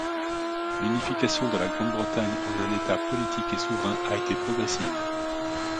L'unification de la Grande-Bretagne en un État politique et souverain a été progressive.